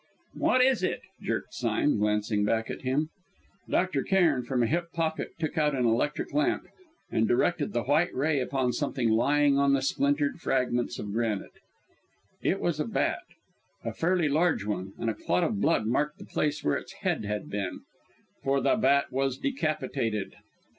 "What is it?" jerked Sime, glancing back at him. Dr. Cairn, from a hip pocket, took out an electric lamp, and directed the white ray upon something lying on the splintered fragments of granite. It was a bat, a fairly large one, and a clot of blood marked the place where its head had been. For the bat was decapitated!